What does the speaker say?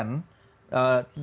dengan satu penafsiran